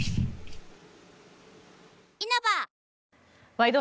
「ワイド！